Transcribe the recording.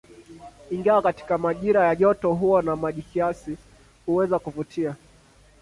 Ingawa katika majira ya joto huwa na maji kiasi, huweza kuvutia.